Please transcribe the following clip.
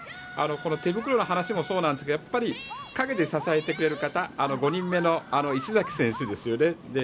この手袋の話もそうなんですけど陰で支えてくださる方５人目の石崎選手ですよね。